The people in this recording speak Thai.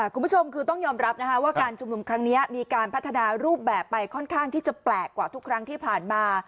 คุณผู้ชมคือต้องยอมรับว่าการชุมนุมครั้งนี้มีการพัฒนารูปแบบไปค่อนข้างที่จะแปลกกว่าทุกครั้งที่ผ่านมา